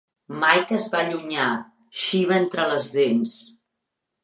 Mike es va allunyar, Xiva entre les dents.